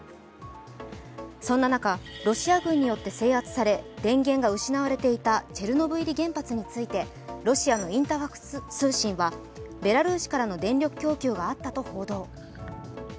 そんな中、ロシア軍によって制圧され、電源が失われていたチェルノブイリ原発についてロシアのインタファクス通信はベラルーシからの電力供給があったと発表。